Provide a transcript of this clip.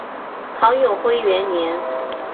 唐永徽元年。